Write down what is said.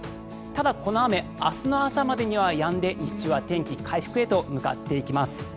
ただこの雨明日の朝までにはやんで日中は天気回復へと向かっていきます。